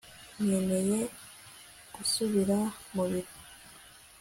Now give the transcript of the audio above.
nkeneye gusubira mu biro